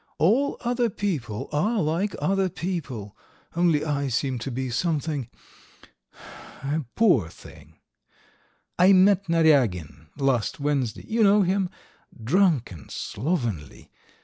All other people are like other people, only I seem to be something ... a poor thing. ... I met Naryagin last Wednesday you know him? drunken, slovenly